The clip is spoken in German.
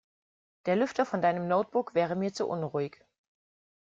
Der Lüfter von deinem Notebook wäre mir zu unruhig.